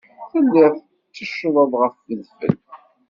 Tellid tetteccged ɣef wedfel.